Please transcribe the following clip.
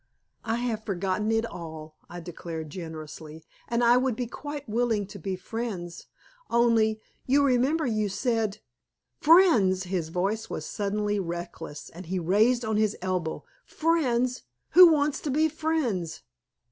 "I have forgotten it all," I declared generously, "and I would be quite willing to be friends, only, you remember you said " "Friends!" his voice was suddenly reckless, and he raised on his elbow. "Friends! Who wants to be friends?